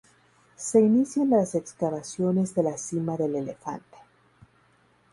Se inician las excavaciones de la Sima del Elefante.